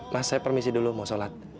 mas saya permisi dulu mau sholat